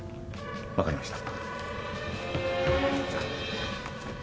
分かりました。